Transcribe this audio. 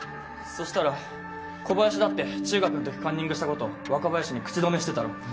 そしたら小林だって中学の時カンニングした事若林に口止めしてたろ？